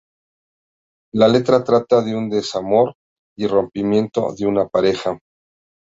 La letra trata de un desamor y rompimiento de una pareja.